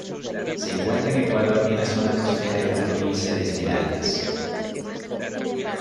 Se encuentra en Ecuador en la zona costera en la Provincia de Esmeraldas.